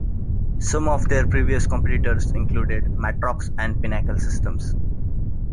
Some of their previous competitors included Matrox and Pinnacle Systems.